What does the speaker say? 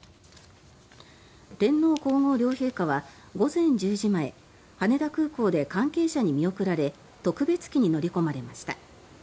天皇・皇后両陛下は午前１０時前羽田空港で関係者に見送られ特別機に乗り込まれました。